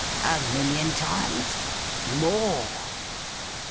A million times? More!